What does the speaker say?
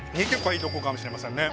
いいとこかもしれませんね